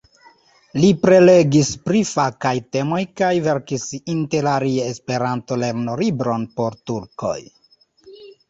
Li prelegis pri fakaj temoj kaj verkis interalie Esperanto-lernolibron por turkoj.